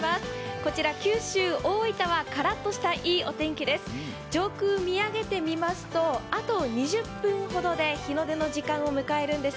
こちら九州・大分はカラッとしたいいお天気です。